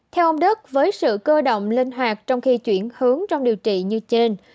theo ông đức với sự cơ động linh hoạt trong khi chuyển hướng trong điều trị như trên